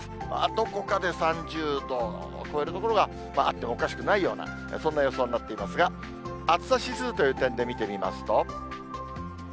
どこかで３０度超える所があってもおかしくないような、そんな予想になっていますが、暑さ指数という点で見てみますと。